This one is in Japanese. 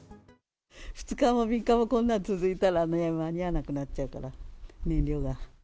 ２日も３日もこんなの続いたらね、間に合わなくなっちゃうから、燃料が。